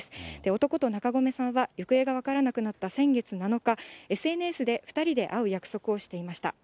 男と中込さんは行方が分からなくなった先月７日、ＳＮＳで２人で会う約束をしていました。